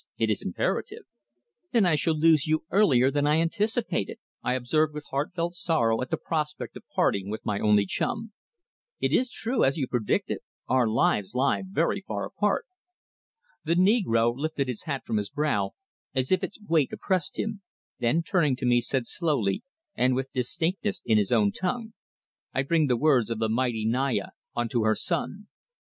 It is imperative." "Then I shall lose you earlier than I anticipated," I observed with heart felt sorrow at the prospect of parting with my only chum. "It is true, as you predicted, our lives lie very far apart." The negro lifted his hat from his brow as if its weight oppressed him, then turning to me, said slowly and with distinctness in his own tongue: "I bring the words of the mighty Naya unto her son.